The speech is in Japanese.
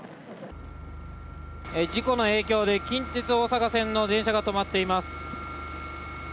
事故の影響で近鉄大阪線の電車が止まっています。